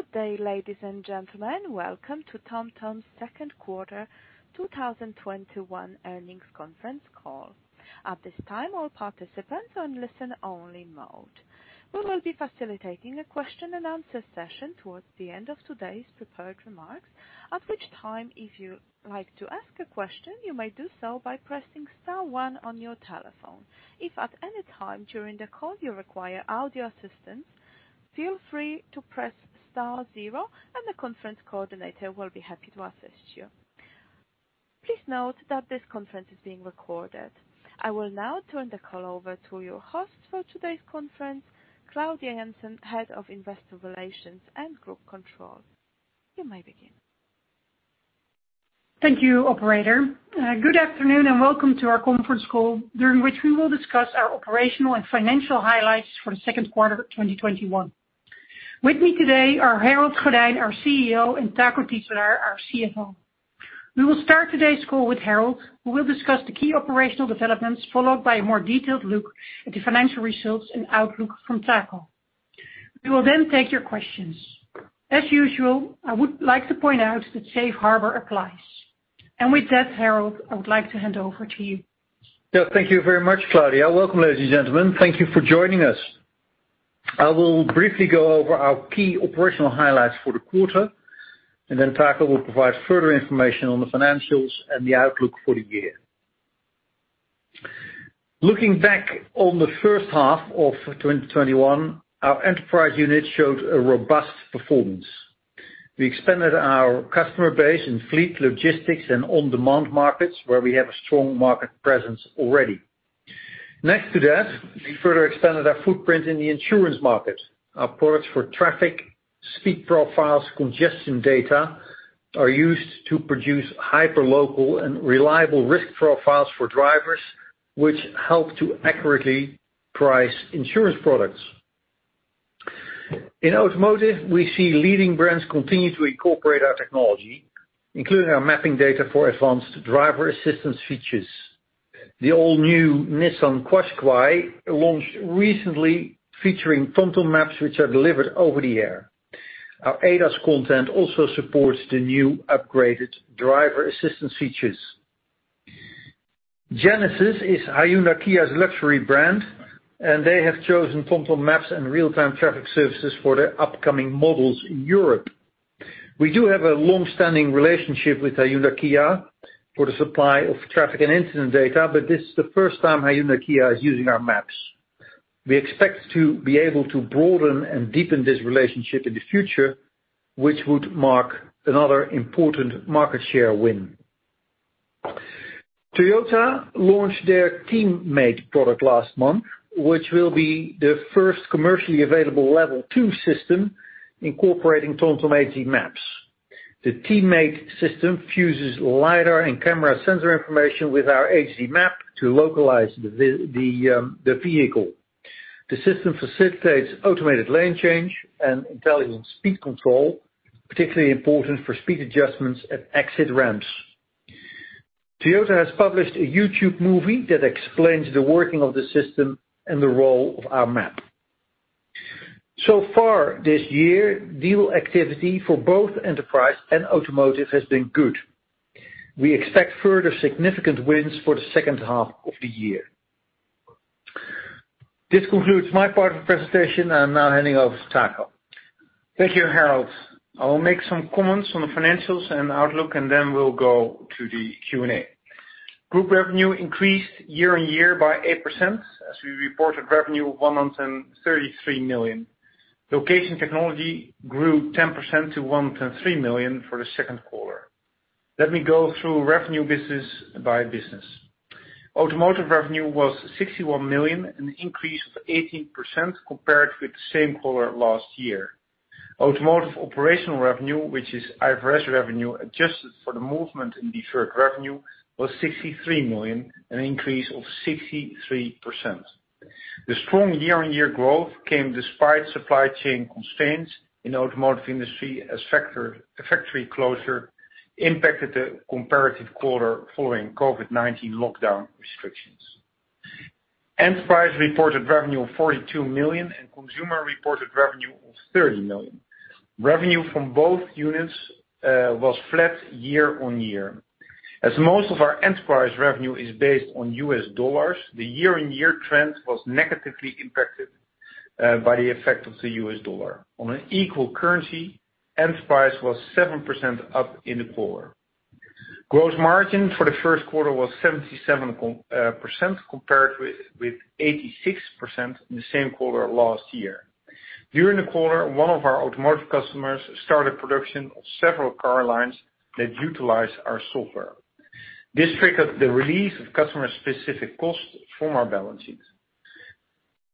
Good day, ladies and gentlemen. Welcome to TomTom's Q2 2021 Earnings Conference Call. At this time all participants are in a listen only mode. We will be facilitating a question and answer session towards the end of today's prepared remarks. At that time if you like to ask a question you may pressing star one on your telephone. If at any time during the call you need audio assistance feel free to press star zero and the conference coordinator will be happy to help you. Please note that this conference is being recorded. I will now turn the call over to your host for today's conference, Claudia Janssen, Head of Investor Relations and Group Controller. You may begin. Thank you, operator. Good afternoon. Welcome to our conference call, during which we will discuss our operational and financial highlights for the Q2 of 2021. With me today are Harold Goddijn, our CEO, and Taco Titulaer, our CFO. We will start today's call with Harold, who will discuss the key operational developments, followed by a more detailed look at the financial results and outlook from Taco, who will take your questions. As usual, I would like to point out that Safe Harbor applies. With that, Harold, I would like to hand over to you. Yeah. Thank you very much, Claudia Janssen. Welcome, ladies and gentlemen. Thank you for joining us. I will briefly go over our key operational highlights for the quarter, and then Taco will provide further information on the financials and the outlook for the year. Looking back on the H1 of 2021, our enterprise unit showed a robust performance. We expanded our customer base in fleet logistics and on-demand markets where we have a strong market presence already. Next to that, we further extended our footprint in the insurance market. Our products for traffic, speed profiles, congestion data, are used to produce hyperlocal and reliable risk profiles for drivers, which help to accurately price insurance products. In automotive, we see leading brands continue to incorporate our technology, including our mapping data for advanced driver assistance features. The all-new Nissan QASHQAI launched recently featuring TomTom maps, which are delivered over the air. Our ADAS content also supports the new upgraded driver assistance features. Genesis is Hyundai Kia's luxury brand, and they have chosen TomTom maps and real-time traffic services for their upcoming models in Europe. We do have a long-standing relationship with Hyundai Kia for the supply of traffic and incident data, but this is the first time Hyundai Kia is using our maps. We expect to be able to broaden and deepen this relationship in the future, which would mark another important market share win. Toyota launched their Teammate product last month, which will be the first commercially available level 2 system incorporating TomTom HD maps. The Teammate system fuses lidar and camera sensor information with our HD map to localize the vehicle. The system facilitates automated lane change and intelligent speed control, particularly important for speed adjustments at exit ramps. Toyota has published a YouTube movie that explains the working of the system and the role of our map. So far this year, deal activity for both Enterprise and Automotive has been good. We expect further significant wins for the H2 of the year. This concludes my part of the presentation. I'm now handing over to Taco. Thank you, Harold. I will make some comments on the financials and outlook, then we'll go to the Q&A. Group revenue increased year-on-year by 8% as we reported revenue of 133 million. Location Technology grew 10% to 103 million for the Q2. Let me go through revenue business by business. Automotive revenue was 61 million, an increase of 18% compared with the same quarter last year. Automotive operational revenue, which is average revenue adjusted for the movement in deferred revenue, was 63 million, an increase of 63%. The strong year-on-year growth came despite supply chain constraints in the automotive industry as factory closure impacted the comparative quarter following COVID-19 lockdown restrictions. Enterprise reported revenue of 42 million and consumer-reported revenue of 30 million. Revenue from both units was flat year-on-year. As most of our Enterprise revenue is based on U.S. dollars, the year-over-year trend was negatively impacted by the effect of the U.S. dollar. On an equal currency, Enterprise was 7% up in the quarter. Gross margin for Q1 was 77% compared with 86% in the same quarter last year. During the quarter, one of our automotive customers started production of several car lines that utilize our software. This triggered the release of customer-specific costs from our balance sheet,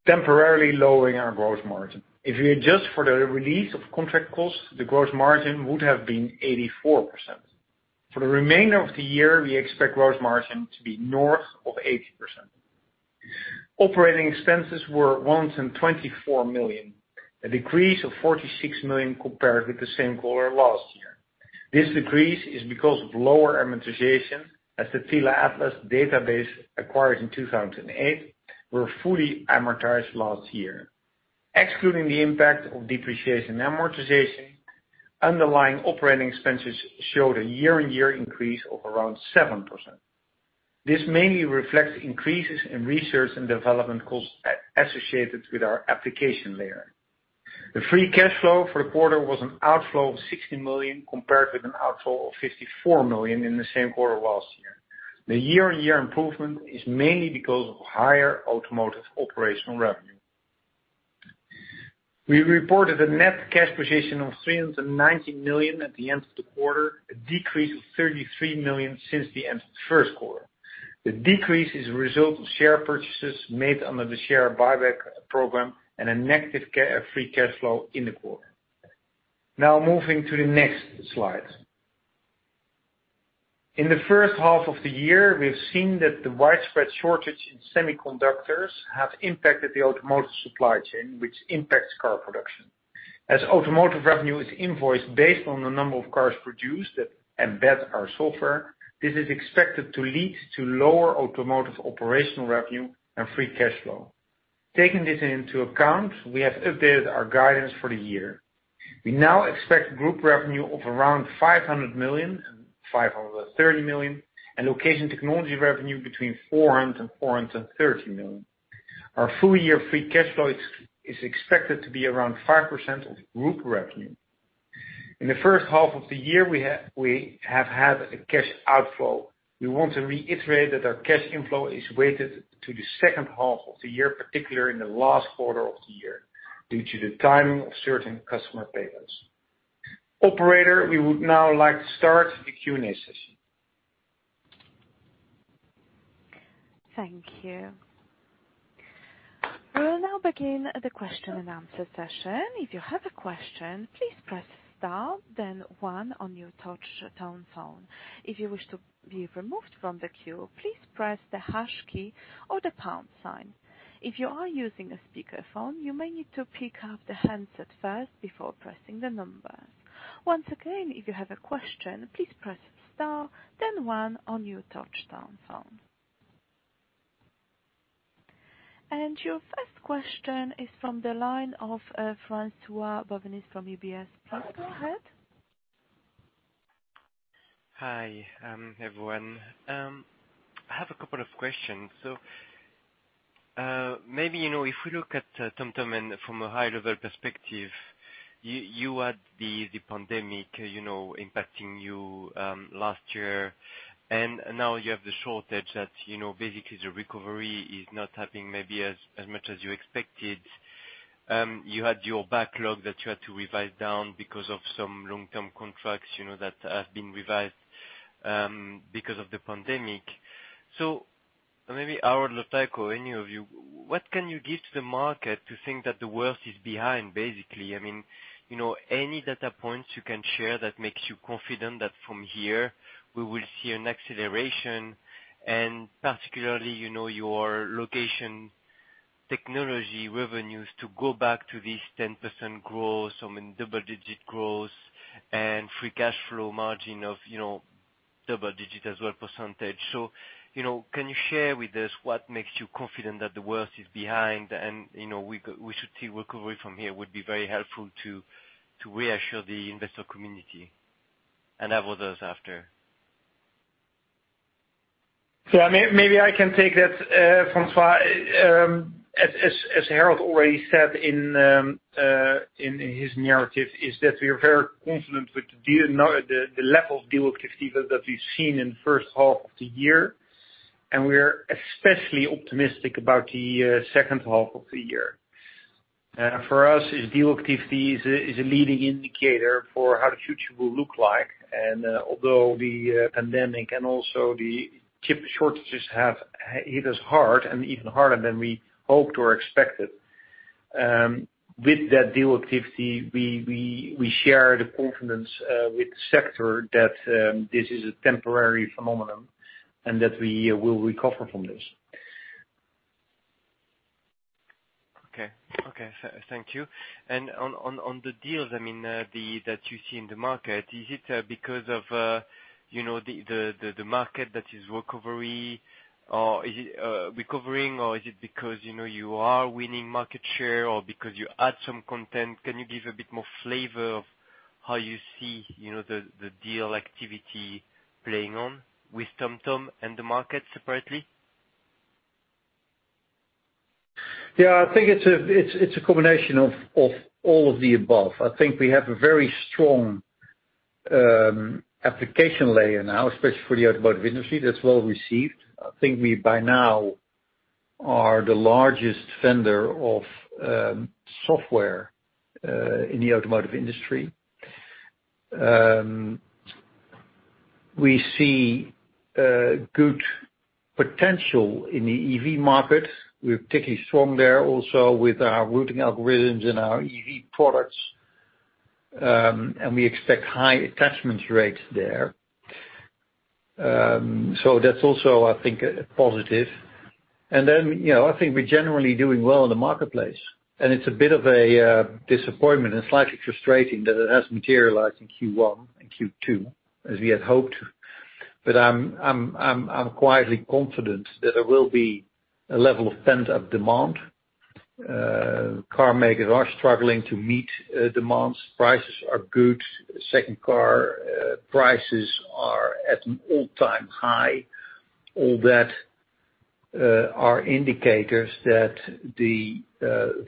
temporarily lowering our gross margin. If we adjust for the release of contract costs, the gross margin would have been 84%. For the remainder of the year, we expect gross margin to be north of 80%. Operating expenses were 124 million, a decrease of 46 million compared with the same quarter last year. This decrease is because of lower amortization as the Tele Atlas database acquired in 2008 were fully amortized last year. Excluding the impact of depreciation and amortization, underlying operating expenses showed a year-on-year increase of around 7%. This mainly reflects increases in research and development costs associated with our application layer. The free cash flow for the quarter was an outflow of 60 million compared with an outflow of 54 million in the same quarter last year. The year-on-year improvement is mainly because of higher automotive operational revenue. We reported a net cash position of 319 million at the end of the quarter, a decrease of 33 million since the end of the first quarter. The decrease is a result of share purchases made under the share buyback program and a negative free cash flow in the quarter. Now moving to the next slide. In the H1 of the year, we've seen that the widespread shortage in semiconductors have impacted the automotive supply chain, which impacts car production. As automotive revenue is invoiced based on the number of cars produced that embed our software, this is expected to lead to lower automotive operational revenue and free cash flow. Taking this into account, we have updated our guidance for the year. We now expect group revenue of around 500 million-530 million, and Location Technology revenue between 400 million and 430 million. Our full-year free cash flow is expected to be around 5% of group revenue. In the H1 of the year, we have had a cash outflow. We want to reiterate that our cash inflow is weighted to the H2 of the year, particularly in the last quarter of the year, due to the timing of certain customer payments. Operator, we would now like to start the Q&A session. Thank you. We will now begin the question and answer session. If you have question please press star then one on your touch tone phone. If you want to leave the queue press the hash key. If you are using a speaker phone you may need to pick up the hand set before pressing the numbers. Once again if you have a question press star then one on your touch tone phone. Your first question is from the line of François-Xavier Bouvignies from UBS. Please go ahead. Hi, everyone. I have a couple of questions. Maybe if we look at TomTom from a high-level perspective, you had the pandemic impacting you last year, and now you have the shortage that basically the recovery is not happening maybe as much as you expected. You had your backlog that you had to revise down because of some long-term contracts that have been revised because of the pandemic. Maybe Harold or Taco, any of you, what can you give to the market to think that the worst is behind, basically? I mean any data points you can share that makes you confident that from here we will see an acceleration, and particularly, your Location Technology revenues to go back to this 10% growth, double-digit growth, and free cash flow margin of double digits as a percentage. Can you share with us what makes you confident that the worst is behind and we should see recovery from here? Would be very helpful to reassure the investor community. I have others after. Yeah, maybe I can take that, François. As Harold already said in his narrative, is that we are very confident with the level of deal activity that we've seen in the H1 of the year, and we are especially optimistic about the H2 of the year. For us, this deal activity is a leading indicator for how the future will look like. Although the pandemic and also the chip shortages have hit us hard and even harder than we hoped or expected, with that deal activity, we share the confidence with the sector that this is a temporary phenomenon and that we will recover from this. Okay. Thank you. On the deals that you see in the market, is it because of the market that is recovering, or is it because you are winning market share or because you add some content? Can you give a bit more flavor of how you see the deal activity playing on with TomTom and the market separately? Yeah, I think it's a combination of all of the above. I think we have a very strong application layer now, especially for the automotive industry, that's well received. I think we, by now, are the largest vendor of software in the automotive industry. We see good potential in the EV market. We're particularly strong there also with our routing algorithms and our EV products. We expect high attachment rates there. That's also, I think, a positive. I think we're generally doing well in the marketplace, and it's a bit of a disappointment and slightly frustrating that it hasn't materialized in Q1 and Q2 as we had hoped. I'm quietly confident that there will be a level of pent-up demand. Car makers are struggling to meet demands. Prices are good. Second car prices are at an all-time high. All that are indicators that the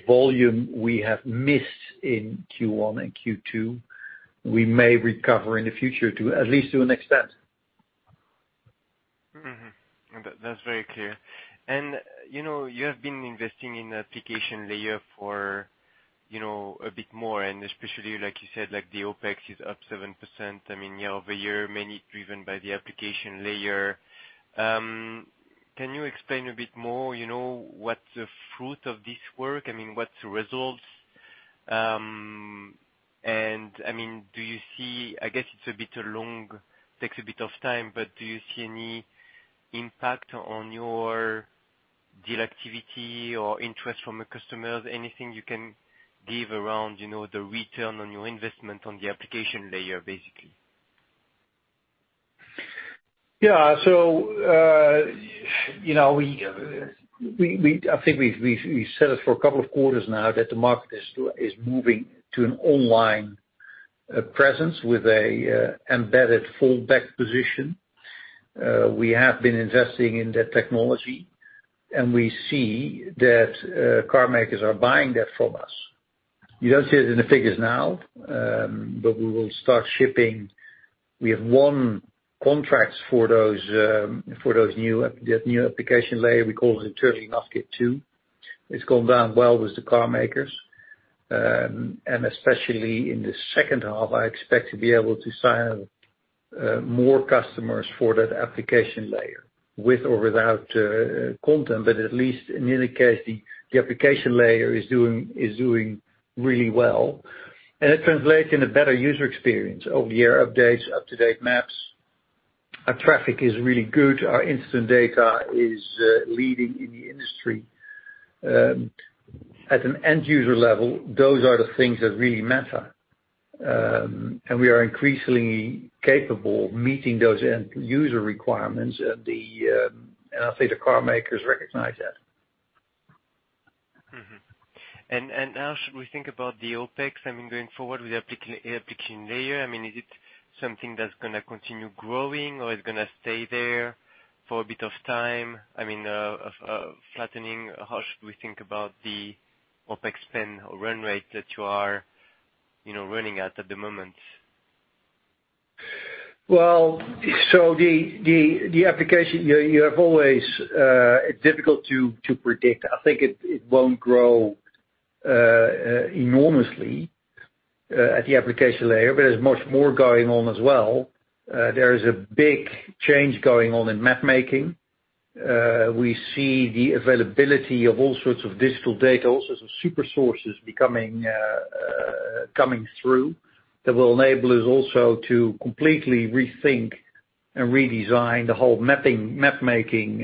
volume we have missed in Q1 and Q2, we may recover in the future, at least to an extent. That's very clear. You have been investing in application layer for a bit more, and especially like you said, the OpEx is up 7% year-over-year, mainly driven by the application layer. Can you explain a bit more what the fruit of this work, what's the results? Do you see, I guess it takes a bit of time, but do you see any impact on your deal activity or interest from the customers? Anything you can give around the return on your investment on the application layer, basically? Yeah. I think we said it for a couple of quarters now that the market is moving to an online presence with an embedded fallback position. We have been investing in that technology, and we see that car makers are buying that from us. You don't see it in the figures now, but we will start shipping. We have won contracts for those new application layer we call the Turning NavKit2. It's gone down well with the car makers. Especially in the H2, I expect to be able to sign more customers for that application layer with or without content. At least in either case, the application layer is doing really well, and it translates in a better user experience. Over-the-air updates, up-to-date maps. Our traffic is really good. Our incident data is leading in the industry. At an end-user level, those are the things that really matter. We are increasingly capable of meeting those end-user requirements and I think the car makers recognize that. How should we think about the OpEx going forward with the application layer? Is it something that's going to continue growing, or it's going to stay there for a bit of time? Flattening, how should we think about the OpEx spend or run rate that you are running at at the moment? Well, it's difficult to predict. I think it won't grow enormously at the application layer, but there's much more going on as well. There is a big change going on in map making. We see the availability of all sorts of digital data, all sorts of super sources coming through that will enable us also to completely rethink and redesign the whole map making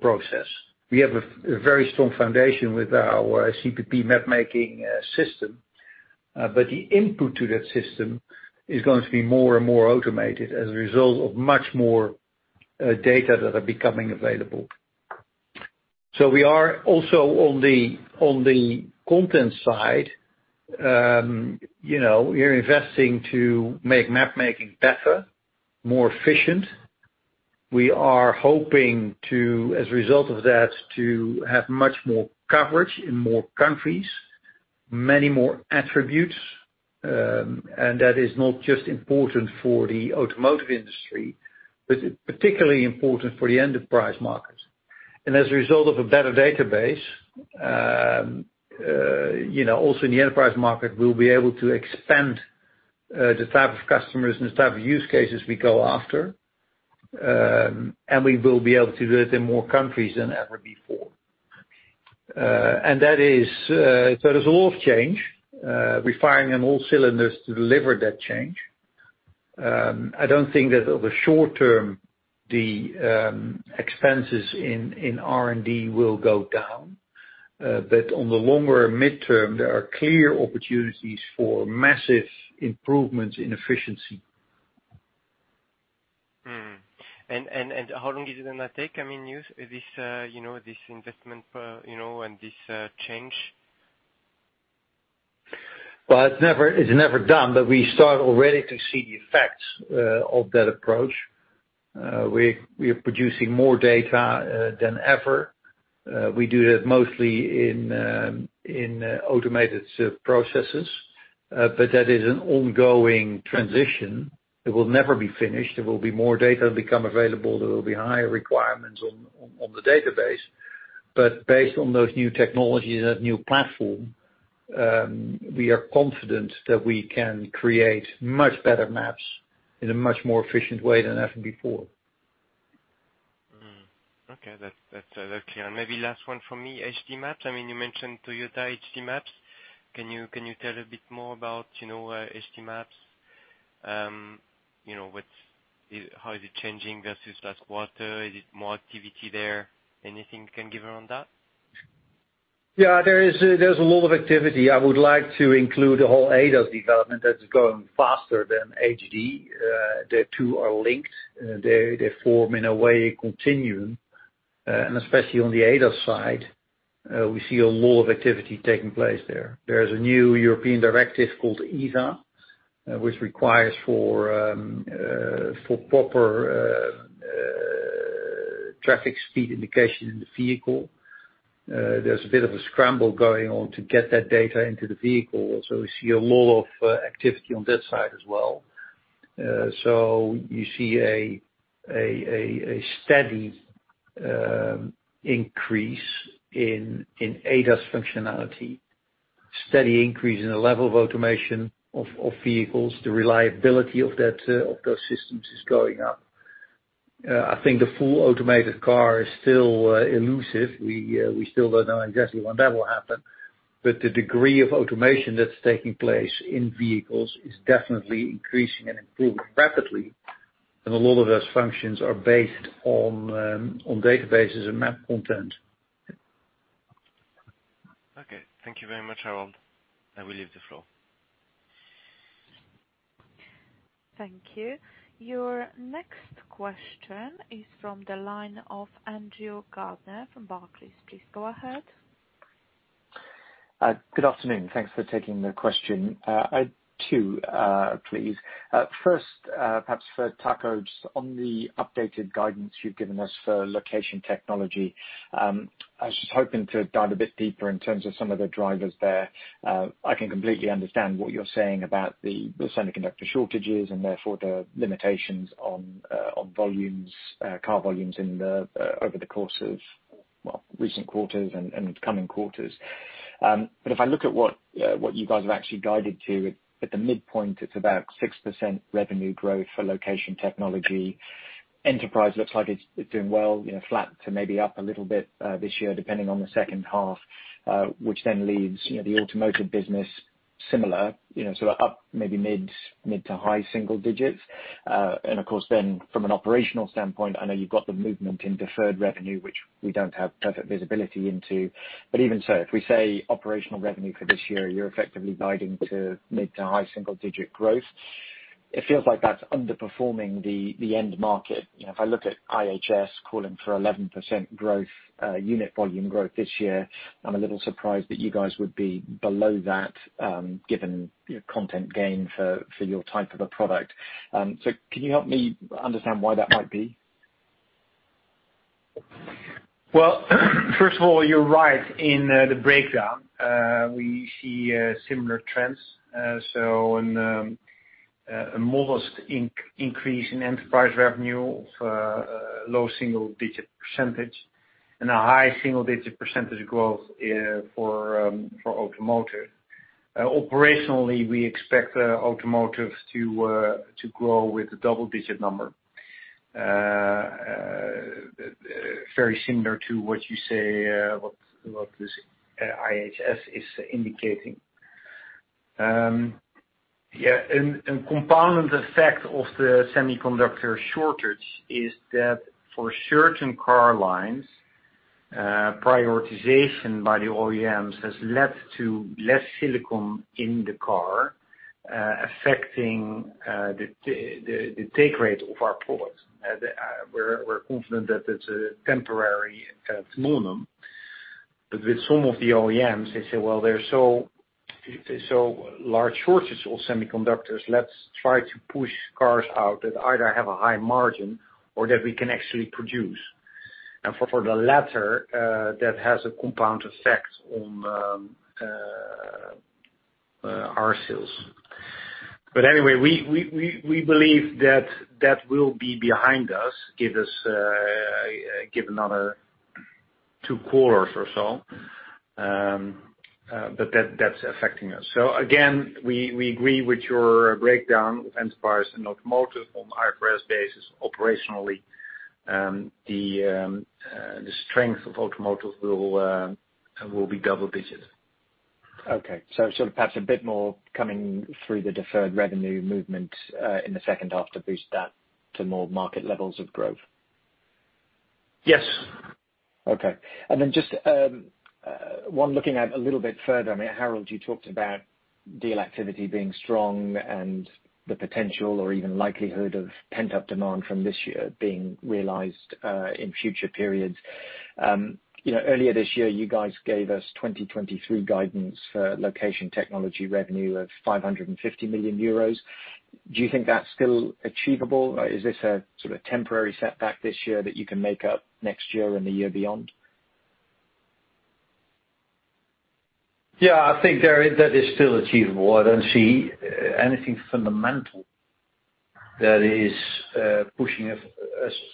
process. We have a very strong foundation with our CPP map making system, but the input to that system is going to be more and more automated as a result of much more data that are becoming available. We are also on the content side, we are investing to make map making better, more efficient. We are hoping to, as a result of that, to have much more coverage in more countries, many more attributes. That is not just important for the automotive industry, but particularly important for the enterprise market. As a result of a better database, also in the enterprise market, we'll be able to expand the type of customers and the type of use cases we go after. We will be able to do that in more countries than ever before. There's a lot of change. We're firing on all cylinders to deliver that change. I don't think that over the short term, the expenses in R&D will go down. On the longer and midterm, there are clear opportunities for massive improvements in efficiency. How long is it going to take? This investment and this change. Well, it's never done, but we start already to see the effects of that approach. We are producing more data than ever. We do that mostly in automated processes. That is an ongoing transition. It will never be finished. There will be more data become available. There will be higher requirements on the database. Based on those new technologies and that new platform, we are confident that we can create much better maps in a much more efficient way than ever before. Okay, that's clear. Last one from me, HD maps. You mentioned Toyota HD maps. Can you tell a bit more about HD maps? How is it changing versus what? Is it more activity there? Anything you can give on that? Yeah, there's a lot of activity. I would like to include the whole ADAS development that is growing faster than HD. The two are linked. They form, in a way, a continuum, and especially on the ADAS side, we see a lot of activity taking place there. There's a new European directive called ISA, which requires for proper traffic speed indication in the vehicle. There's a bit of a scramble going on to get that data into the vehicle. We see a lot of activity on that side as well. You see a steady increase in ADAS functionality, steady increase in the level of automation of vehicles. The reliability of those systems is going up. I think the full automated car is still elusive. We still don't know exactly when that will happen, but the degree of automation that's taking place in vehicles is definitely increasing and improving rapidly. A lot of those functions are based on databases and map content. Okay. Thank you very much, Harold. I will leave the floor. Thank you. Your next question is from the line of Andrew Gardiner from Barclays. Please go ahead. Good afternoon. Thanks for taking the question. Two, please. First, perhaps for Taco, on the updated guidance you've given us for Location Technology. I was just hoping to dive a bit deeper in terms of some of the drivers there. I can completely understand what you're saying about the semiconductor shortages and therefore the limitations on car volumes over the course of recent quarters and coming quarters. If I look at what you guys have actually guided to, at the midpoint, it's about 6% revenue growth for Location Technology. Enterprise looks like it's doing well, flat to maybe up a little bit this year, depending on the H2, which then leaves the automotive business similar. Up maybe mid-to-high single digits. Of course from an operational standpoint, I know you've got the movement in deferred revenue, which we don't have perfect visibility into. Even so, if we say operational revenue for this year, you're effectively guiding to mid to high single-digit growth. It feels like that's underperforming the end market. I look at IHS calling for 11% growth, unit volume growth this year, I'm a little surprised that you guys would be below that, given your content gain for your type of a product. Can you help me understand why that might be? Well, first of all, you're right in the breakdown. We see similar trends. A modest increase in enterprise revenue of low single-digit percentage and a high single-digit percentage growth for automotive. Operationally, we expect automotive to grow with a double-digit number. Very similar to what you say, what this IHS is indicating. Yeah, a compounding effect of the semiconductor shortage is that for certain car lines, prioritization by the OEMs has led to less silicon in the car, affecting the take rate of our product. We're confident that it's a temporary phenomenon, but with some of the OEMs, they say, "Well, there's so large shortages of semiconductors, let's try to push cars out that either have a high margin or that we can actually produce." For the latter, that has a compound effect on our sales. Anyway, we believe that will be behind us, give another two quarters or so. That's affecting us. Again, we agree with your breakdown of enterprise and automotive on an IFRS basis. Operationally, the strength of automotive will be double digits. Okay, perhaps a bit more coming through the deferred revenue movement in the H2 to boost that to more market levels of growth? Yes. Okay. Just one looking out a little bit further. I mean, Harold, you talked about deal activity being strong and the potential or even likelihood of pent-up demand from this year being realized in future periods. Earlier this year, you guys gave us 2023 guidance for Location Technology revenue of 550 million euros. Do you think that's still achievable? Is this a sort of temporary setback this year that you can make up next year and the year beyond? I think that is still achievable. I don't see anything fundamental that is pushing us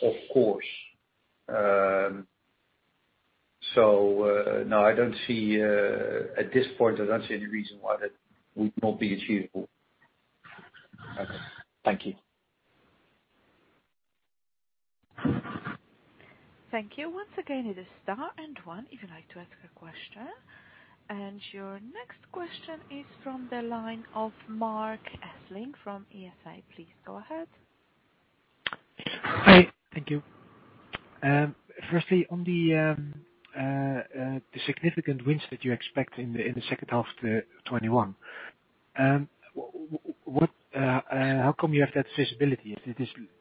off course. No, at this point, I don't see any reason why that would not be achievable. Thank you. Thank you. Once again, it is star and one if you'd like to ask a question. Your next question is from the line of Marc Hesselink from ING. Please go ahead. Hi. Thank you. Firstly, on the significant wins that you expect in the H2 of 2021, how come you have that visibility?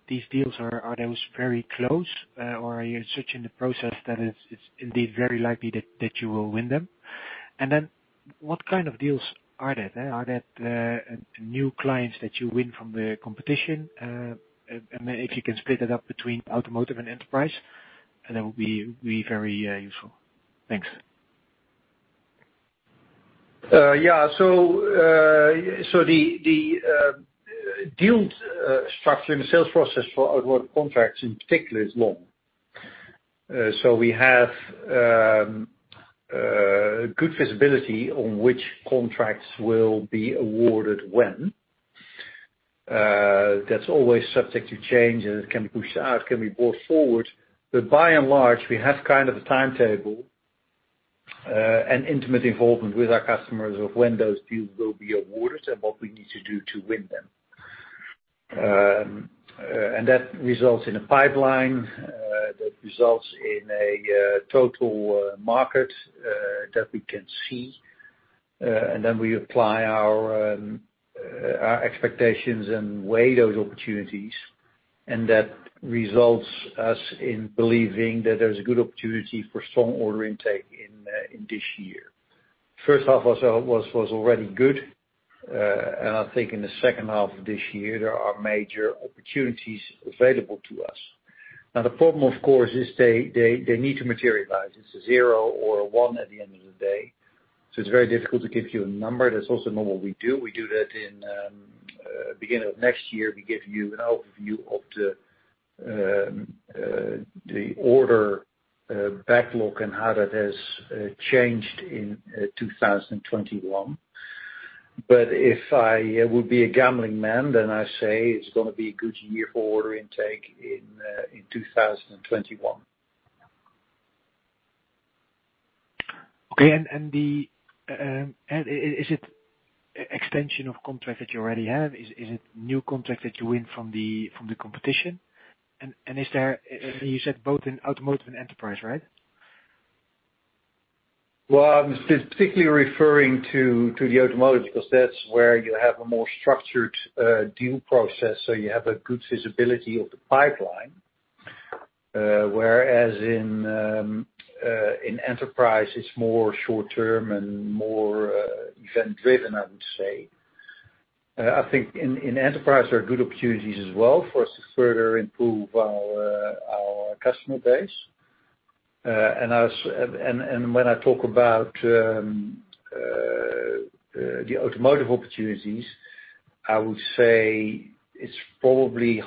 These deals, are those very close, or are you such in the process that it's indeed very likely that you will win them? What kind of deals are they? Are they new clients that you win from the competition? If you can split it up between automotive and enterprise, that would be very useful. Thanks. Yeah. The deals structure and the sales process for award contracts, in particular, is long. We have good visibility on which contracts will be awarded when. That's always subject to change, and it can be pushed out, can be brought forward. By and large, we have a timetable, and intimate involvement with our customers of when those deals will be awarded and what we need to do to win them. That results in a pipeline, that results in a total market that we can see, and then we apply our expectations and weigh those opportunities, and that results us in believing that there's a good opportunity for strong order intake in this year. H1 was already good. I think in the H2 of this year, there are major opportunities available to us. Now, the problem, of course, is they need to materialize. It's a zero or a one at the end of the day. It's very difficult to give you a number. That's also not what we do. We do that in beginning of next year, we give you an overview of the order backlog and how that has changed in 2021. If I would be a gambling man, then I say it's going to be a good year for order intake in 2021. Okay. Is it extension of contract that you already have? Is it new contract that you win from the competition? You said both in automotive and enterprise, right? Well, I was particularly referring to the automotive because that's where you have a more structured deal process, so you have a good visibility of the pipeline. Whereas in enterprise, it's more short-term and more event-driven, I would say. I think in enterprise, there are good opportunities as well for us to further improve our customer base. When I talk about the automotive opportunities, I would say it's probably 50/50.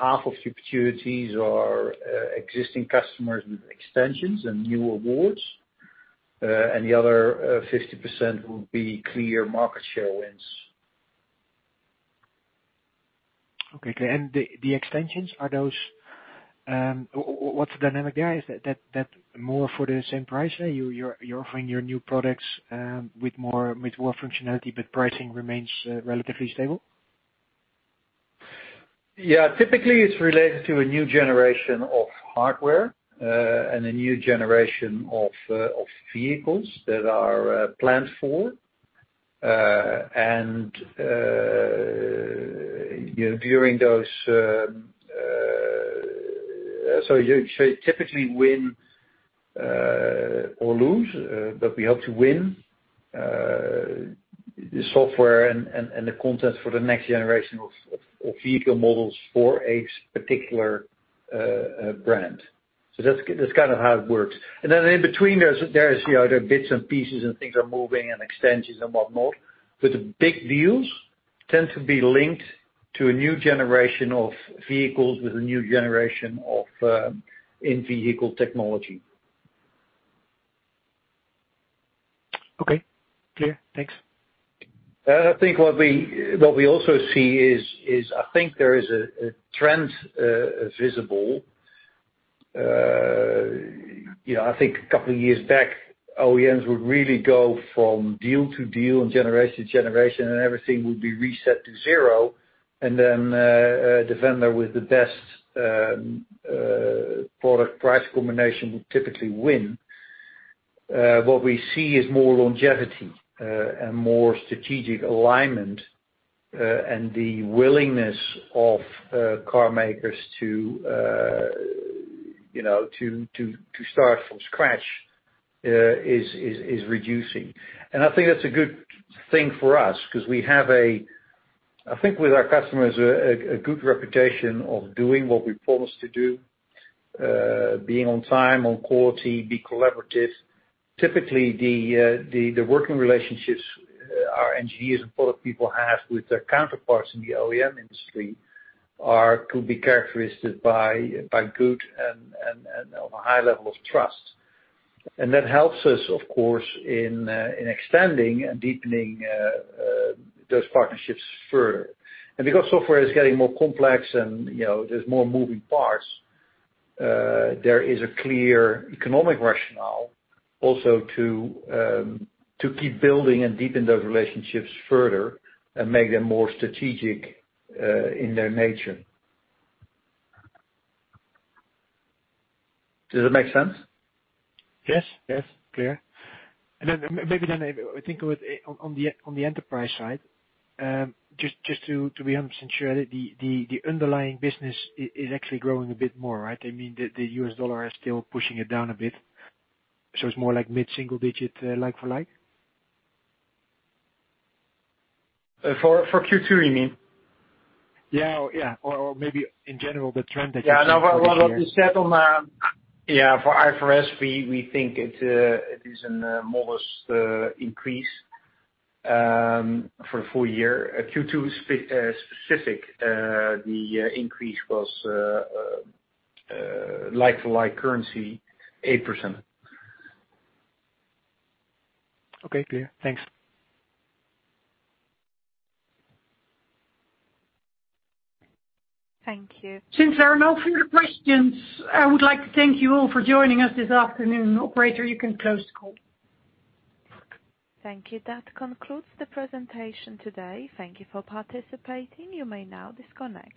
Half of the opportunities are existing customers with extensions and new awards, and the other 50% would be clear market share wins. Okay. The extensions, what's the dynamic there? Is that more for the same price? You're offering your new products with more functionality, but pricing remains relatively stable? Yeah. Typically, it's related to a new generation of hardware, and a new generation of vehicles that are planned for. You typically win or lose, but we hope to win the software and the content for the next generation of vehicle models for a particular brand. That's kind of how it works. In between, there's the other bits and pieces and things are moving and extensions and whatnot. The big deals tend to be linked to a new generation of vehicles with a new generation of in-vehicle technology. Okay. Clear. Thanks. I think what we also see is, I think there is a trend visible. I think a couple of years back, OEMs would really go from deal to deal and generation to generation, and everything would be reset to zero. The vendor with the best product price combination would typically win. What we see is more longevity, and more strategic alignment, and the willingness of car makers to start from scratch is reducing. I think that's a good thing for us because we have, I think with our customers, a good reputation of doing what we promise to do, being on time, on quality, be collaborative. Typically, the working relationships our engineers and product people have with their counterparts in the OEM industry could be characterized by good and of a high level of trust. That helps us, of course, in extending and deepening those partnerships further. Because software is getting more complex and there's more moving parts, there is a clear economic rationale also to keep building and deepen those relationships further and make them more strategic in their nature. Does that make sense? Yes. Clear. Maybe I think on the enterprise side, just to be 100% sure that the underlying business is actually growing a bit more, right? I mean, the U.S, dollar is still pushing it down a bit, so it's more like mid-single digit like for like? For Q2, you mean? Yeah. Maybe in general, the trend that- Yeah. No, well, at the settlement, yeah, for IFRS, we think it is a modest increase for full year. Q2 specific, the increase was like for like currency, 8%. Okay. Clear. Thanks. Thank you. Since there are no further questions, I would like to thank you all for joining us this afternoon. Operator, you can close the call. Thank you. That concludes the presentation today. Thank you for participating. You may now disconnect.